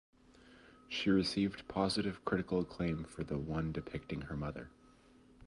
She received positive critical acclaim for the one depicting her mother.